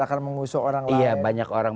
akan mengusuk orang lain iya banyak orang